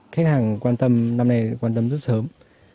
khách hàng quan tâm năm nay quan tâm rất sớm